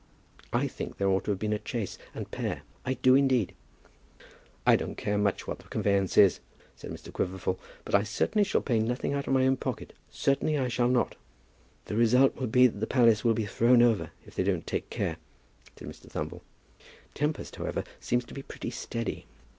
I think there ought to have been a chaise and pair; I do indeed." "I don't care much what the conveyance is," said Mr. Quiverful; "but I certainly shall pay nothing more out of my own pocket; certainly I shall not." "The result will be that the palace will be thrown over if they don't take care," said Mr. Thumble. "Tempest, however, seems to be pretty steady.